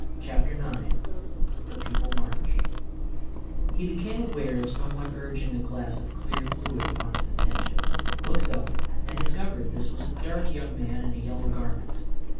CHAPTER IX THE PEOPLE MARCH He became aware of someone urging a glass of clear fluid upon his attention, looked up and discovered this was a dark young man in a yellow garment.